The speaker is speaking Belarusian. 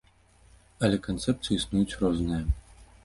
Але канцэпцыі існуюць розныя.